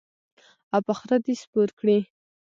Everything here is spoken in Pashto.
او په خره دې سپور کړي.